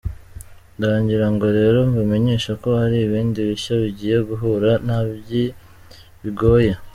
Ndagira ngo rero mbamenyesho ko hari ibindi bishya bagiye guhura nabyi bigoye.